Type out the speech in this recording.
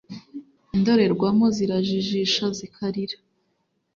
Indorerwamo zirajijisha zikarira